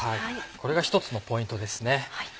これが一つのポイントですね。